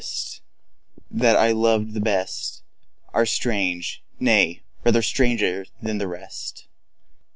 Even those I loved the best Are strange—nay, they are stranger than the rest.